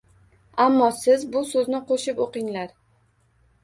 Ammo siz bu so’zni qo’shib o’qinglar.